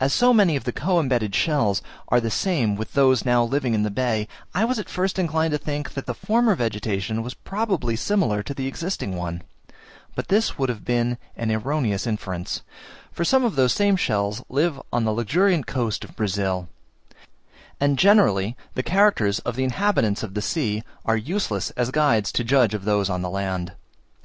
As so many of the co embedded shells are the same with those now living in the bay, I was at first inclined to think that the former vegetation was probably similar to the existing one; but this would have been an erroneous inference for some of these same shells live on the luxuriant coast of Brazil; and generally, the character of the inhabitants of the sea are useless as guides to judge of those on the land.